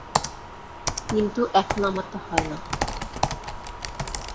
কিন্তু এখন আমার তা হয় না।